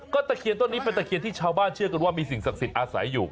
ตะเคียนต้นนี้เป็นตะเคียนที่ชาวบ้านเชื่อกันว่ามีสิ่งศักดิ์สิทธิ์อาศัยอยู่